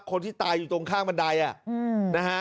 คนที่ตายอยู่ตรงข้างบันไดนะฮะ